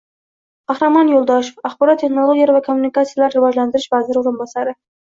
Qahramon Yo'ldoshev, Axborot texnologiyalari va kommunikatsiyalarini rivojlantirish vaziri Orinbosari